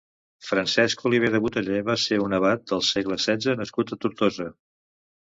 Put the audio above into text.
Francesc Oliver de Boteller va ser un abat del segle setze nascut a Tortosa.